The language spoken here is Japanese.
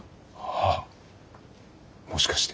ああもしかして。